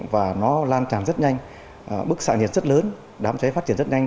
và nó lan tràn rất nhanh bức xạ nhiệt rất lớn đám cháy phát triển rất nhanh